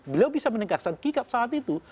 beliau bisa menegakkan kikap saat itu